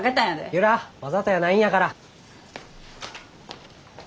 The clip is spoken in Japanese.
由良わざとやないんやから。